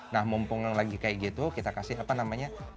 nah mumpung yang lagi kayak gitu kita kasih apa namanya